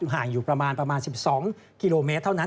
ห่างอยู่ประมาณประมาณ๑๒กิโลเมตรเท่านั้น